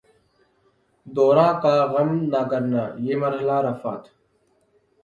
دوراں کا غم نہ کرنا، یہ مرحلہ ء رفعت